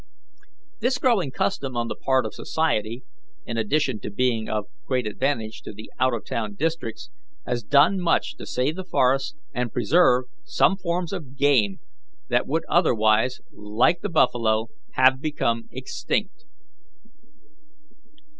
This growing custom on the part of society, in addition to being of great advantage to the out of town districts, has done much to save the forests and preserve some forms of game that would otherwise, like the buffalo, have become extinct.